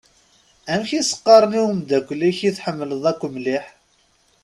Amek i s-qqaṛen i umdakel-inek i tḥemmleḍ akk mliḥ.